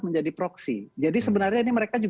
menjadi proksi jadi sebenarnya ini mereka juga